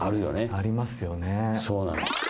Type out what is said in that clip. ありますよね。